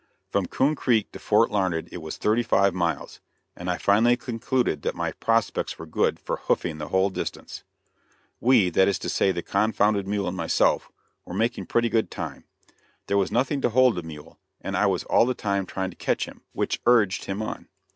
From Coon Creek to Fort Larned it was thirty five miles, and I finally concluded that my prospects were good for "hoofing" the whole distance. We that is to say, the confounded mule and myself were making pretty good time. There was nothing to hold the mule, and I was all the time trying to catch him which urged him on.